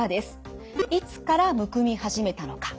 いつからむくみはじめたのか。